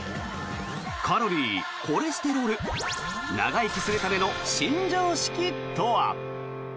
カロリー、コレステロール長生きするための新常識とは。